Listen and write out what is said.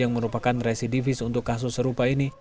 yang merupakan residivis untuk kasus serupa ini